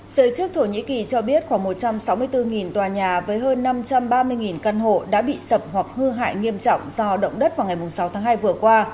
giới chức thổ nhĩ kỳ cho biết khoảng một trăm sáu mươi bốn tòa nhà với hơn năm trăm ba mươi căn hộ đã bị sập hoặc hư hại nghiêm trọng do động đất vào ngày sáu tháng hai vừa qua